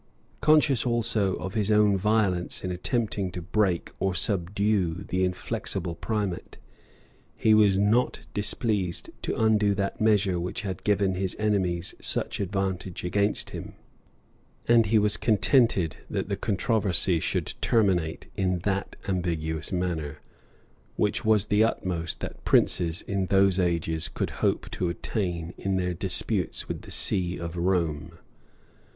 Conscious also of his own violence in attempting to break or subdue the inflexible primate, he was not displeased to undo that measure which had given his enemies such advantage against him, and he was contented that the controversy should terminate in that ambiguous manner, which was the utmost that princes, in those ages, could hope to attain in their disputes with the see of Rome.